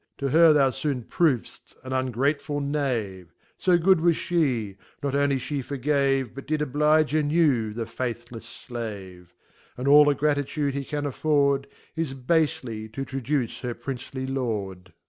To her thou foon prov'dft an * ungrateful Knavr, So good was fhe, not only^fhe^orgave, But did oblige anew, the faithlefs Slave. And all the Gratitude he can afford, Is ba% to traduce her Princely Lord.